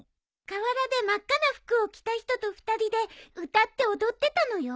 河原で真っ赤な服を着た人と２人で歌って踊ってたのよ。